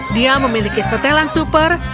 dia memiliki setelan super